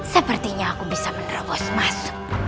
sepertinya aku bisa menerobos masuk